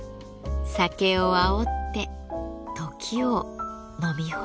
酒をあおって時を飲み干す。